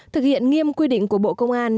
thực hiện nghiêm quy định của bộ công an